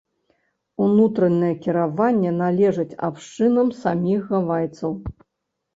Унутранае кіраванне належыць абшчынам саміх гавайцаў.